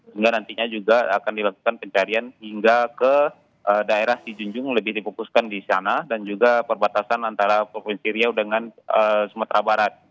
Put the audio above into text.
dan nantinya juga akan dilakukan pencarian hingga ke daerah sejunjung lebih dipokuskan di sana dan juga perbatasan antara provinsi riau dengan sumatera barat